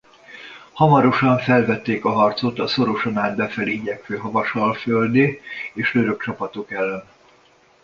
Hamarosan felvették a harcot a szoroson át befelé igyekvő havasalföldi és török csapatok ellen.